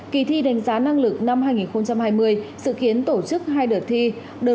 kỳ thi đánh giá năng lực năm hai nghìn hai mươi sự kiến tổ chức hai đợt thi